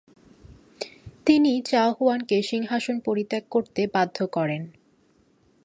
তিনি চাও হুয়ানকে সিংহাসন পরিত্যাগ করতে বাধ্য করেন।